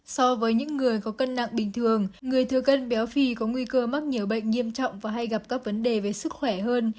so với những người có cân nặng bình thường người thừa cân béo phì có nguy cơ mắc nhiều bệnh nghiêm trọng và hay gặp các vấn đề về sức khỏe hơn